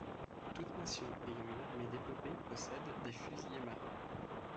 Toute nation ayant une armée développée possède des fusiliers marins.